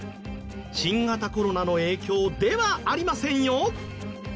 新型コロナの影響ではありませんよ。